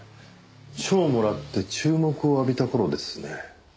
賞をもらって注目を浴びた頃ですね。